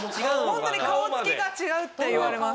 ホントに顔つきが違うって言われます。